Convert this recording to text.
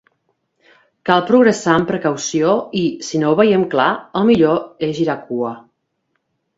Cal progressar amb precaució i, si no ho veiem clar, el millor és girar cua.